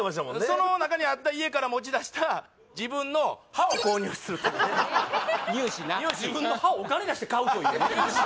その中にあった家から持ち出した自分の歯を購入するというね乳歯な自分の歯をお金出して買うというね